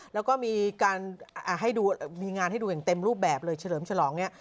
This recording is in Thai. แล้วก็มีการให้ดูมีงานให้ดูอย่างเต็มรูปแบบเลยเฉลิมฉลองเนี่ย